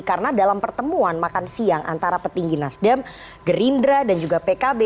karena dalam pertemuan makan siang antara petinggi nasdem gerindra dan juga pkb